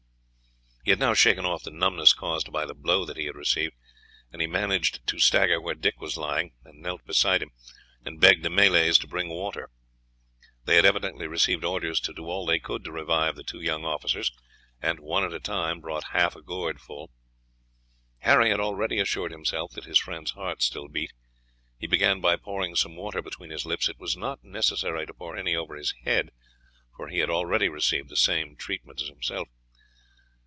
He had now shaken off the numbness caused by the blow that he had received, and he managed to stagger to where Dick was lying, and knelt beside him and begged the Malays to bring water. They had evidently received orders to do all they could to revive the two young officers, and one at once brought half a gourd full. Harry had already assured himself that his friend's heart still beat. He began by pouring some water between his lips. It was not necessary to pour any over his head, for he had already received the same treatment as himself.